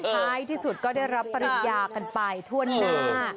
ท้ายที่สุดก็ได้รับปริญญากันไปทั่วหน้า